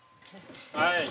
はい。